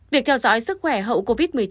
việc theo dõi sức khỏe hậu covid một mươi chín